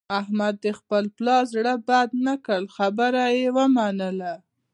احمد د خپل پلار زړه بد نه کړ، خبره یې ومنله.